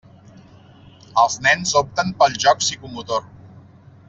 Els nens opten pel joc psicomotor.